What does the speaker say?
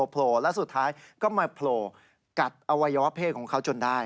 โผล่แล้วสุดท้ายก็มาโผล่กัดอวัยวะเพศของเขาจนได้